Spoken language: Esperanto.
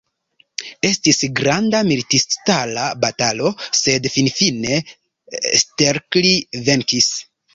Estis granda militistara batalo, sed finfine Stelkri venkis.